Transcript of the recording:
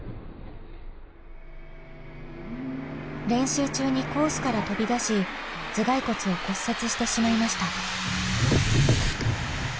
練習中にコースから飛び出し頭蓋骨を骨折してしまいました。